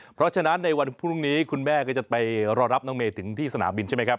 เพราะฉะนั้นในวันพรุ่งนี้คุณแม่ก็จะไปรอรับน้องเมย์ถึงที่สนามบินใช่ไหมครับ